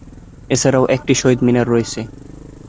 এছাড়াও একটি শহিদ মিনার রয়েছে।